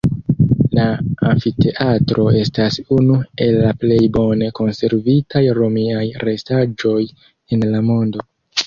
La amfiteatro estas unu el la plej bone konservitaj romiaj restaĵoj en la mondo.